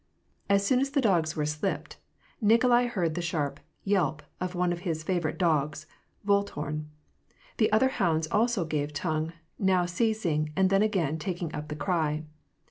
As soon as the dogs were slipped, Nikolai heard the sharp yelp of one of his favorite dogs — Voltorn ; the other hounds also gave tongue, now ceasing, and then again taking up the cry.